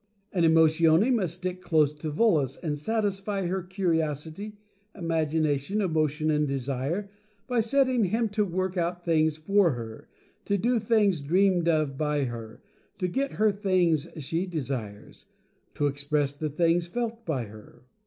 And Emotione must stick close to Volos, and satisfy her curiosity, imagination, emotion, and desire, by setting him to work out things for her — to do things dreamed of by her — to get her things she desires — to express the things felt by her.